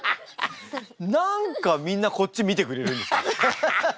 何かみんなこっち見てくれるんですよ。